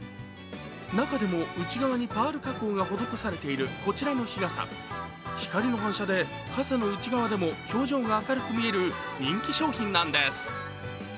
中でも内側にパール加工が施されているこちらの日傘、光の反射で傘の内側でも表情が明るく見える人気商品なんです。